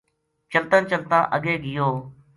چلتاں چلتاں اگے گیو